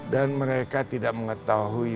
dan mereka tidak mengetahui